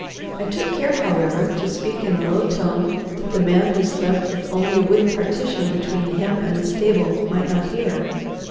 I took care, however, to speak in a low tone that the man who slept with only a wooden partition between him and the stable might not hear.